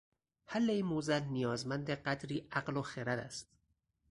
حل این معضل نیازمند قدری عقل و خرد است